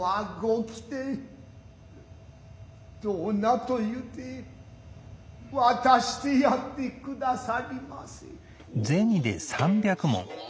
どうなと言うて渡してやって下さりませ。